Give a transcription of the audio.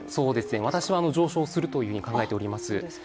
私は上昇するというふうに考えております。